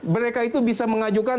mereka itu bisa mengajukan